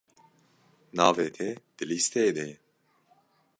Navê te di lîsteyê de ye?